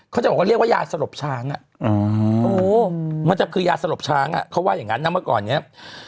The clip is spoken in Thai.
เขาบอกว่าเรียกว่ายาสลบช้างมันจะคือยาสลบช้างเขาว่าอย่างนั้นนะเมื่อก่อนเนี่ย